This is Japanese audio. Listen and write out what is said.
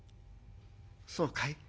「そうかい。